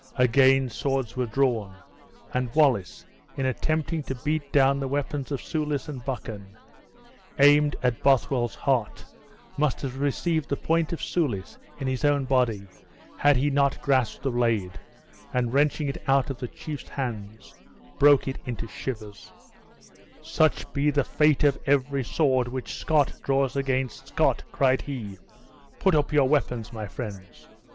Again swords were drawn; and Wallace, in attempting to beat down the weapons of Soulis and Buchan, aimed at Bothwell's heart, must have received the point of Soulis' in his own body, had he not grasped the blade, and wrenching it out of the chief's hand, broke it into shivers: "Such be the fate of every sword which Scot draws against Scot!" cried he. "Put up your weapons, my friends.